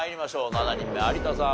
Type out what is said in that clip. ７人目有田さん